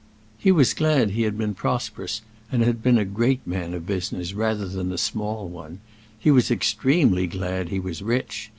He was glad he had been prosperous and had been a great man of business rather than a small one; he was extremely glad he was rich.